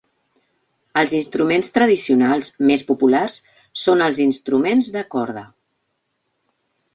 Els instruments tradicionals més populars són els instruments de corda.